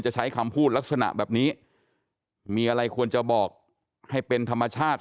ใช้คำพูดลักษณะแบบนี้มีอะไรควรจะบอกให้เป็นธรรมชาติ